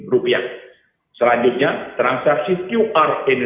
dan nilai transaksi uang elektronik tumbuh tinggi